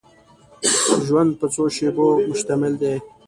ژوند په څو شېبو مشتمل دی.